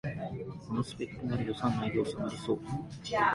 このスペックなら予算内でおさまりそう